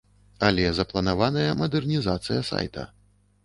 Але запланаваная мадэрнізацыя сайта.